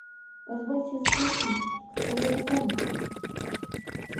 – Позвольте спросить, кто вы таковы?